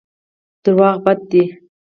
دروغ بد دی.